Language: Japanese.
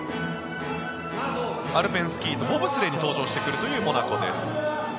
アルペンスキーとボブスレーに登場してくるというモナコです。